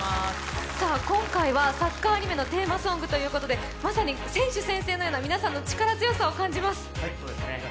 今回はサッカーアニメのテーマソングということで、まさに選手宣誓のような皆さんの力強さを感じます。